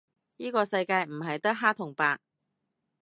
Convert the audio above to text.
依個世界唔係得黑同白